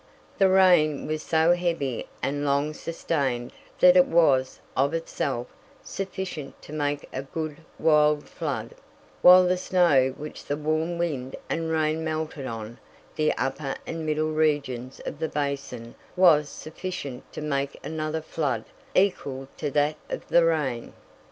The rain was so heavy and long sustained that it was, of itself, sufficient to make a good wild flood, while the snow which the warm wind and rain melted on the upper and middle regions of the basins was sufficient to make another flood equal to that of the rain.